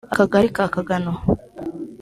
Akagari ka Kagano